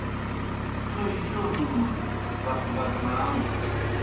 تھوئے جو نومُن، بخ بدنام